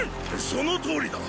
そのとおりだ！